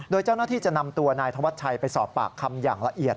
โดยเจ้าหน้าที่จะนำตัวนายธวัชชัยไปสอบปากคำอย่างละเอียด